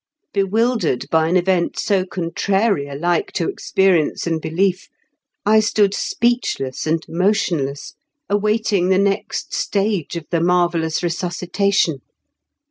Bewildered by an event so contrary alike to experience and belief, I stood speechless and motionless, awaiting the next stage of the marvellous resuscitation.